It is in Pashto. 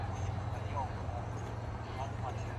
باید د ټولني طبیعي تکامل ته پام وشي.